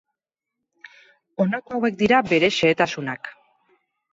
Honako hauek dira bere xehetasunak.